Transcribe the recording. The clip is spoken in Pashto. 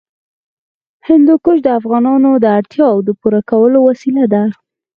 هندوکش د افغانانو د اړتیاوو د پوره کولو وسیله ده.